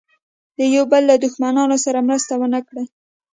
د یوه بل له دښمنانو سره مرسته ونه کړي.